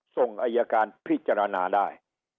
ส่งอายการพิจารณาได้